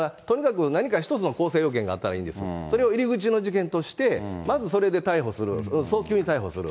だからとにかく何か一つの構成要件があったらいいんですよ、それを入り口の事件として、まずそれで逮捕する、早急に逮捕する。